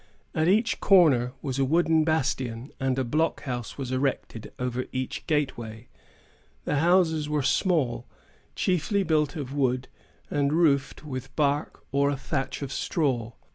At each corner was a wooden bastion, and a blockhouse was erected over each gateway. The houses were small, chiefly built of wood, and roofed with bark or a thatch of straw.